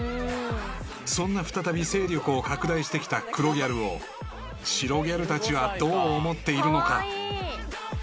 ［そんな再び勢力を拡大してきた黒ギャルを白ギャルたちはどう思っているのか？］